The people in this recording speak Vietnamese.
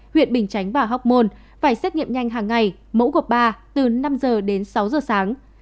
huyện bình chánh và hóc môn phải xét nghiệm nhanh hàng ngày mẫu gộp ba từ năm giờ đến sáu giờ sáng